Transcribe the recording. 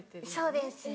そうですね。